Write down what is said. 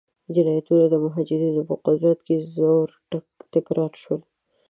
جنایتونه د مجاهدینو په قدرت کې په زور تکرار شول.